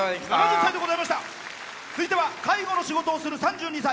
続いては介護の仕事をする３２歳。